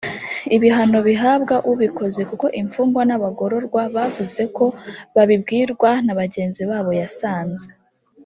ibihano bihabwa ubikoze kuko imfungwa n abagororwa bavuze ko babibwirwa na bagenzi babo yasanze